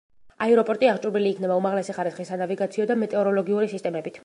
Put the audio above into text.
აეროპორტი აღჭურვილი იქნება უმაღლესი ხარისხის სანავიგაციო და მეტეოროლოგიური სისტემებით.